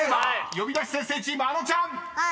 呼び出し先生チームあのちゃん］